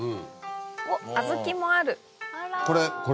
おっ小豆もある。